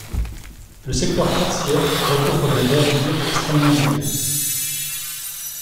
Le secteur tertiaire recouvre des réalités extrêmement diverses.